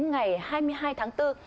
ngày hai mươi hai tháng bốn